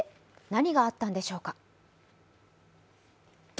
何があったんでしょうか。